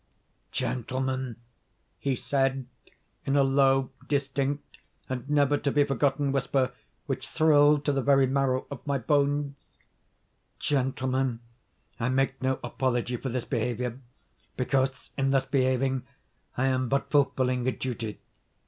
"Gentlemen," he said, in a low, distinct, and never to be forgotten whisper which thrilled to the very marrow of my bones, "Gentlemen, I make no apology for this behaviour, because in thus behaving, I am but fulfilling a duty.